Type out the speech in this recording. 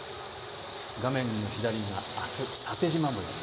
画面の左側、あす縦じま模様。